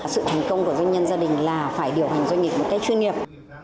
sự thành công của doanh nhân gia đình là phải điều hành doanh nghiệp một cách chuyên nghiệp